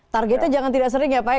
targetnya jangan tidak sering ya pak ya